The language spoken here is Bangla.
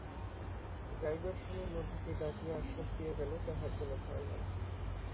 যাইবার সময় মধুকে ডাকিয়া আশ্বাস দিয়া গেল, তাহার কোনো ভয় নাই।